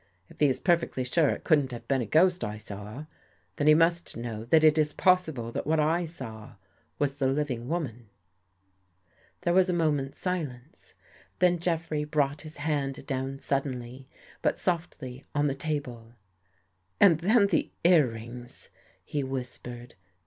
If he is per fectly sure it couldn't have been a ghost I saw, then he must know that it is possible that what I saw was the living woman." There was a moment's silence. Then Jeffrey brought his hand down suddenly, but softly, on the table. " And then the earrings," he whispered.